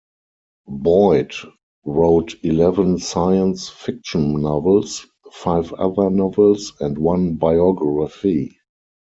Boyd wrote eleven science fiction novels, five other novels, and one biography.